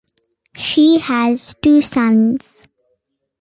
She has two sons.